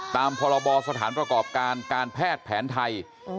ตามพรบสถานประกอบการการแพทย์แผนไทย